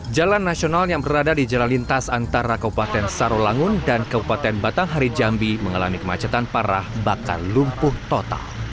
jalan nasional yang berada di jalan lintas antara kabupaten sarolangun dan kabupaten batanghari jambi mengalami kemacetan parah bahkan lumpuh total